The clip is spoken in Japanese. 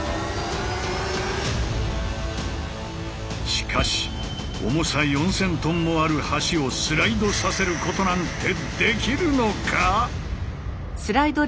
しかし重さ４，０００ｔもある橋をスライドさせることなんてできるのか？